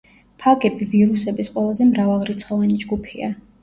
ფაგები ვირუსების ყველაზე მრავალრიცხოვანი ჯგუფია.